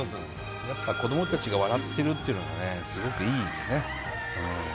やっぱ子どもたちが笑ってるっていうのがねすごくいいですねうん。